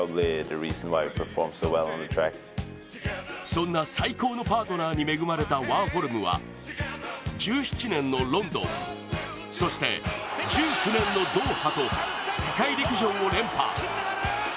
そんな最高のパートナーに恵まれたワーホルムは１７年のロンドン、そして１９年のドーハと世界陸上を連覇。